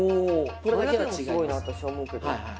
それだけでもすごいなって私思うけど。